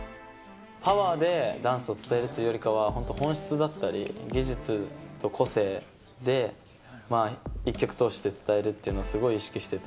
パワーでダンスを伝えるというよりかは、本当、本質だったり、技術と個性で一曲通して伝えるっていうのをすごい意識してて。